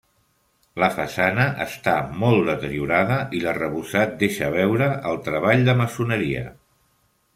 La façana està molt deteriorada, i l'arrebossat deixa veure el treball de maçoneria.